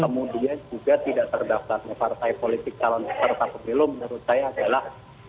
kemudian juga tidak terdaftar oleh partai politik kalau tidak terdapat belum menurut saya adalah